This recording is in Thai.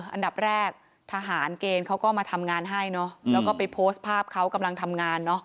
อันดับแรกทหารเกณฑ์เขาก็มาทำงานให้เนอะแล้วก็ไปโพสต์ภาพเขากำลังทำงานเนอะ